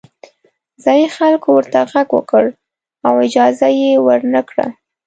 ځايي خلکو ورته غږ وکړ او اجازه یې ورنه کړه.